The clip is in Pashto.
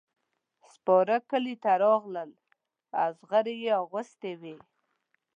سپاره کلي ته راغلل او زغرې یې اغوستې وې.